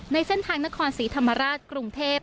ในเส้นทางนครศรีธรรมราชกรุงเทพ